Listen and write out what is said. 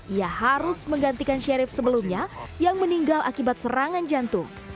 ia harus menggantikan sherif sebelumnya yang meninggal akibat serangan jantung